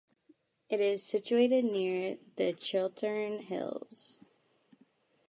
It is situated near the Chiltern Hills.